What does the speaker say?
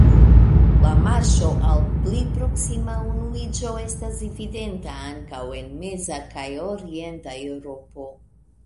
La marŝo al pli proksima unuiĝo estas evidenta ankaŭ en meza kaj orienta Eŭropo.